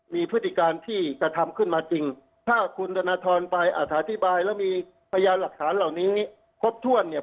มีพฤติการที่กระทำขึ้นมาจริงถ้าคุณธนทรไปอธิบายแล้วมีพยานหลักฐานเหล่านี้ครบถ้วนเนี่ย